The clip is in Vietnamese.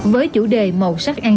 với chủ đề màu sắc an giang